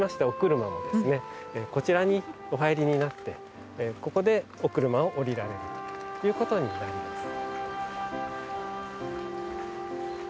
お車もこちらにお入りになってここでお車を降りられるということになります。